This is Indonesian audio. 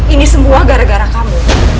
ini semua gara gara kamu